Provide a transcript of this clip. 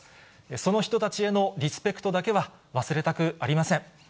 その人たちへのリスペクトだけは忘れたくありません。